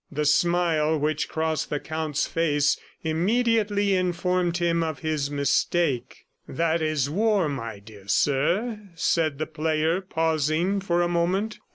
The smile which crossed the Count's face immediately informed him of his mistake. "That is war, my dear sir," said the player, pausing for a moment.